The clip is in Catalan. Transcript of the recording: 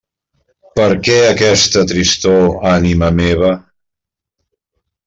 Per què aquesta tristor, ànima meva?